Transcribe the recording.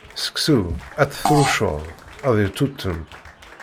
Seksu, ar t-trucceḍ, ad irtutem.